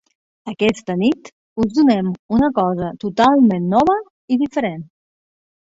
Aquesta nit us donem un cosa totalment nova i diferent.